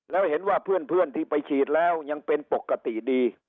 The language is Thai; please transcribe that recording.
แล้วเห็นว่าเพื่อนที่ไปฉีดแล้วยังเป็นปกติดี